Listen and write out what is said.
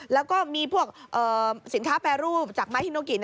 แล้วก็มีพวกสินค้าแปรรูปจากไม้ฮิโนกิ